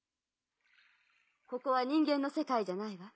ここは人間の世界じゃないわ。